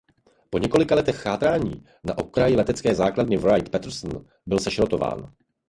Po několika letech chátrání na okraji letecké základny Wright Patterson byl sešrotován.